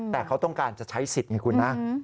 แต่เขาต้องการจะใช้สิทธิ์ไงคุณนะ